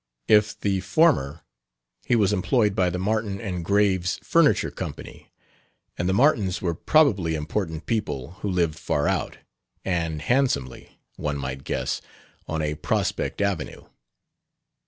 If the former, he was employed by the Martin & Graves Furniture Company, and the Martins were probably important people who lived far out and handsomely, one might guess on a Prospect Avenue....